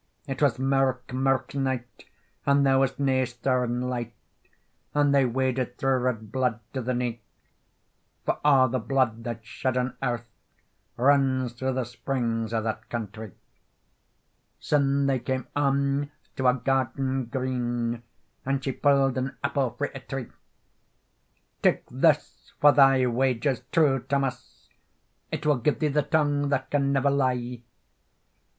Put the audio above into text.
It was mirk mirk night, and there was nae stern light, And they waded thro red blude to the knee; For a' the blude that's shed an earth Rins thro the springs o that countrie. Syne they came on to a garden green, And she pu'd an apple frae a tree: "Take this for thy wages, True Thomas, It will give the tongue that can never lie."